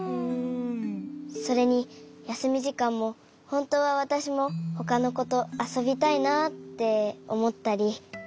それにやすみじかんもほんとうはわたしもほかのことあそびたいなっておもったり。